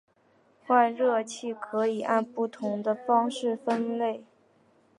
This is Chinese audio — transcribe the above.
换热器可以按不同的方式分类。